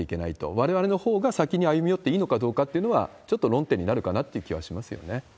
われわれのほうが先に歩み寄っていいのかどうかというのは、ちょっと論点になるかなという気はしますよね。